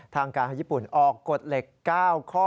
ทางการให้ญี่ปุ่นออกกฎเหล็ก๙ข้อ